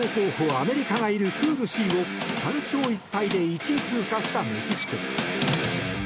アメリカがいるプールＣを３勝１敗で１位通過したメキシコ。